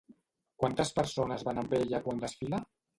Quantes persones van amb ella quan desfila?